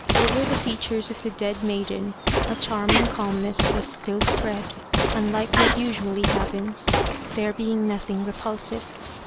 Over the features of the dead maiden a charming calmness was still spread, unlike what usually happens, there being nothing repulsive.